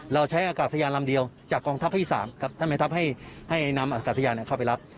เราใช้อากาศยานลำเดียวจากกองทัพที่๓ครับท่านแม่ทัพให้นำอากาศยานเข้าไปรับ